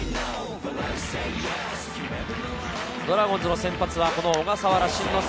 ドラゴンズの先発は小笠原慎之介。